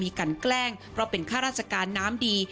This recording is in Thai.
กันแกล้งเพราะเป็นข้าราชการน้ำดี